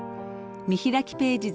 見開きページ